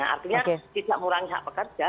artinya tidak mengurangi hak pekerja